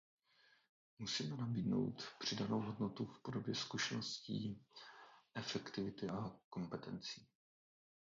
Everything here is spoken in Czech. Musíme nabídnout přidanou hodnotu v podobě zkušeností, efektivity a kompetencí.